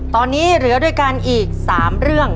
ตอนนี้เหลือด้วยกันอีก๓เรื่อง